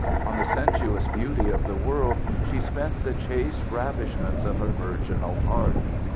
On the sensuous beauty of the world she spent the chaste ravishments of her virginal heart.